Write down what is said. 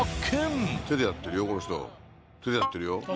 手でやってるよ。